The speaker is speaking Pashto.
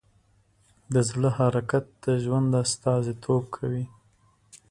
د زړه حرکت د ژوند استازیتوب کوي.